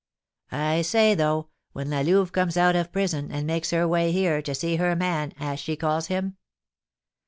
"I say, though, when La Louve comes out of prison, and makes her way here, to see her man, as she calls him?"